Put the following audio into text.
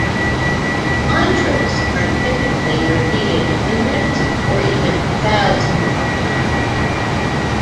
Mantras are typically repeated hundreds or even thousands of times.